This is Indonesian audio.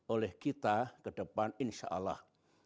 oleh kita ke depan insya allah